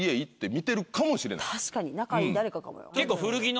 確かに仲いい誰かかも。